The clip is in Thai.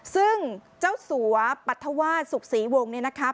ซึ่งเจ้าสัวปรัฐวาสสุขศรีวงศ์นะคะ